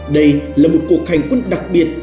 đây là một cuộc hành quân đặc biệt